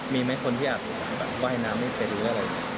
มีไหมคนที่อยากว่ายน้ำนี่ไปหรืออะไร